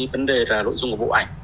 vấn đề là nội dung của bộ ảnh